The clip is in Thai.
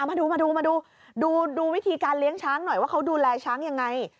มาดูมาดูวิธีการเลี้ยงช้างหน่อยว่าเขาดูแลช้างยังไง